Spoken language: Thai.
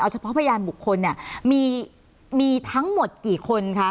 เฉพาะพยานบุคคลเนี่ยมีทั้งหมดกี่คนคะ